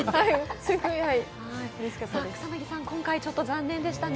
草薙さん、今回ちょっと残念でしたね。